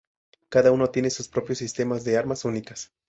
Cada uno tiene sus propios sistemas de armas únicas.